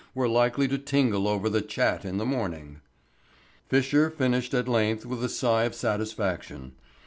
were likely to tingle over the Chat in the morning. Fisher finished at length with a sigh of satisfaction.